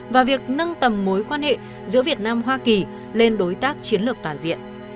và việc nâng tầm mối quan hệ giữa việt nam hoa kỳ lên đối tác chiến lược toàn diện